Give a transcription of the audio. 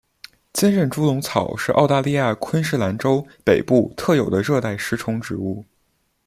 坚韧猪笼草是澳大利亚昆士兰州北部特有的热带食虫植物。